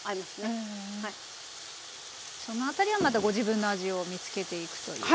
その辺りはまたご自分の味を見つけていくという。